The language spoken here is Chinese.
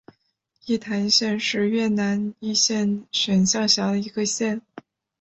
义坛县是越南乂安省下辖的一个县。